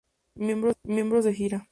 Miembros de gira